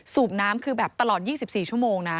สูบน้ำคือแบบตลอด๒๔ชั่วโมงนะ